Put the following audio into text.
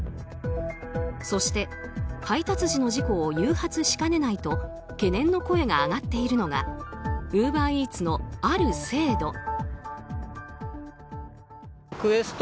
そして、配達時の事故を誘発しかねないと懸念の声が上がっているのがウーバーイーツのある制度。